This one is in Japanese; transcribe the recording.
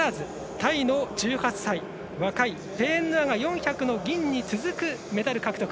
タイの１８歳若いペーンヌアが４００の銀に続くメダル獲得。